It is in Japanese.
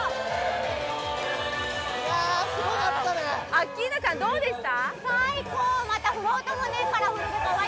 アッキーナさんどうでした？